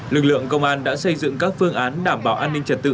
lực lượng công an đã xây dựng các phương án đảm bảo an ninh trật tự